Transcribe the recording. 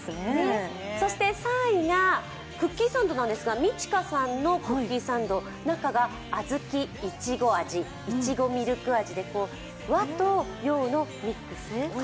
３位が、クッキーサンドなんですが実千菓さんのクッキーサンド中があずき、いちご味、いちご＆ミルク味で和と洋のミックス。